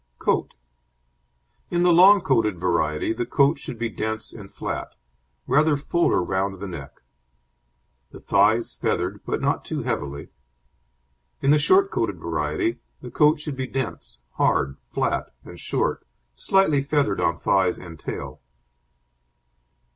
COAT In the long coated variety the coat should be dense and flat; rather fuller round the neck; the thighs feathered but not too heavily. In the short coated variety, the coat should be dense, hard, flat, and short, slightly feathered on thighs and tail.